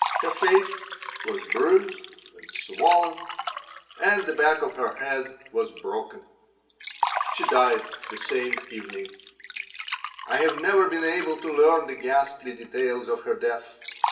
Her face was bruised and swollen and the back of her head was broken. She died the same evening I have never been able to learn the ghastly details of her death.